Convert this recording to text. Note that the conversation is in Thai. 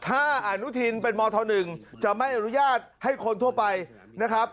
ถ้าอนุทินเป็นมธ๑จะไม่อนุญาตให้คนทั่วไปนะครับ